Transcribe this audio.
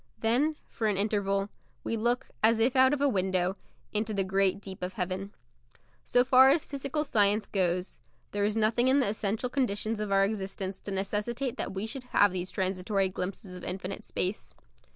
Then, for an interval, we look, as if out of a window, into the great deep of heaven. So far as physical science goes, there is nothing in the essential conditions of our existence to necessitate that we should have these transitory glimpses of infinite space.